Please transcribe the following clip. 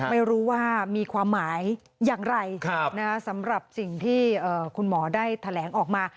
ไม่รู้ว่ามีความหมายอย่างไรสำหรับสิ่งที่คุณหมอได้แถลงออกมา